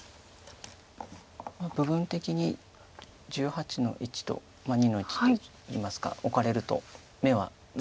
部分的に１８の一と２の一といいますかオカれると眼はない。